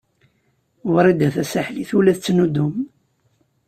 Wrida Tasaḥlit ur la tettnuddum.